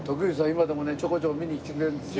今でもねちょこちょこ見に来てくれるんですよ。